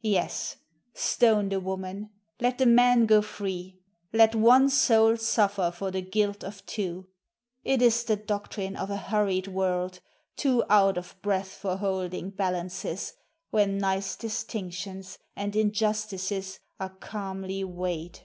Yes, stone the woman, let the man go free! Let one soul suffer for the guilt of two It is the doctrine of a hurried world, Too out of breath for holding balances Where nice distinctions and injustices Are calmly weighed.